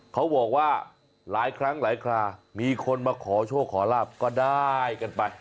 เขาบอกว่าหลายครั้งหลายครามีคนมาขอโชคขอลาบก็ได้กันไป